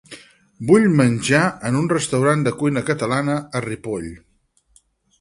Vull menjar en un restaurant de cuina catalana a Ripoll.